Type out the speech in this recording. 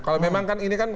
kalau memang kan ini kan